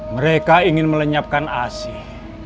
mereka ingin melenyapkan asih